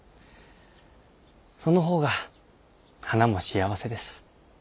そのほうが花も幸せです。